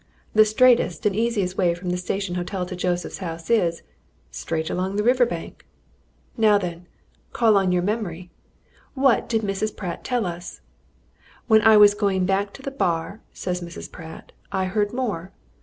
The straightest and easiest way from the Station Hotel to Joseph's house is straight along the river bank. Now then, call on your memory! What did Mrs. Pratt tell us? 'When I was going back to the bar,' says Mrs. Pratt, 'I heard more.